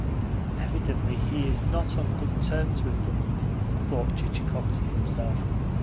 "Evidently he is not on good terms with them," thought Chichikov to himself.